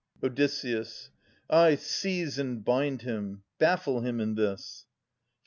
Od. Ay, seize and bind him. Baffle him in this. Phi.